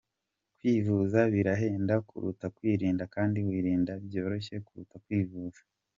Kwivuza birahenda kuruta kwirinda kandi kwirinda byoroshye kuruta kwivuza.